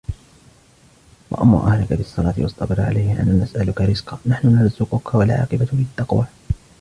وَأْمُرْ أَهْلَكَ بِالصَّلَاةِ وَاصْطَبِرْ عَلَيْهَا لَا نَسْأَلُكَ رِزْقًا نَحْنُ نَرْزُقُكَ وَالْعَاقِبَةُ لِلتَّقْوَى